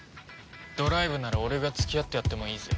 ドライブなら俺が付き合ってやってもいいぜ。